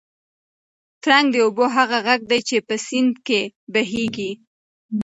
ترنګ د اوبو هغه غږ دی چې په سیند کې بهېږي.